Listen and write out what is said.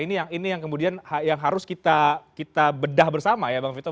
ini yang kemudian yang harus kita bedah bersama ya bang vito